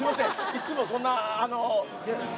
いつもそんなあの。